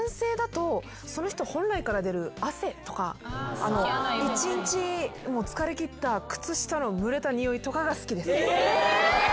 その人本来から出る汗とか１日疲れきった靴下の蒸れた匂いとかが好きです。え！